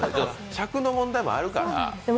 尺の問題もあるから。